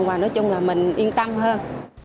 và nói chung là mình yên tâm hơn